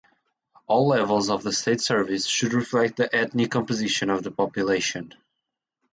All levels of the state service should reflect the ethnic composition of the population.